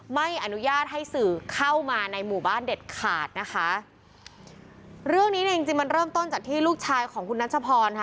ไม่อนุญาตให้สื่อเข้ามาในหมู่บ้านเด็ดขาดนะคะเรื่องนี้เนี่ยจริงจริงมันเริ่มต้นจากที่ลูกชายของคุณนัชพรค่ะ